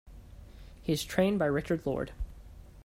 He is trained by Richard Lord.